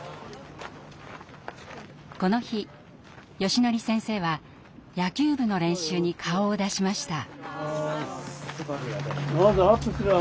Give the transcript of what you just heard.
この日よしのり先生は野球部の練習に顔を出しました。